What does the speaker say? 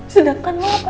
sedangkan lo apa